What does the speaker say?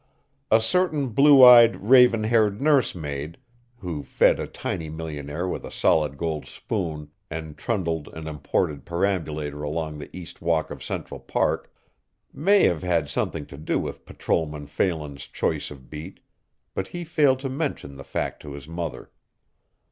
A certain blue eyed, raven haired nursemaid, who fed a tiny millionaire with a solid gold spoon and trundled an imported perambulator along the east walk of Central Park, may have had something to do with Patrolman Phelan's choice of beat, but he failed to mention the fact to his mother.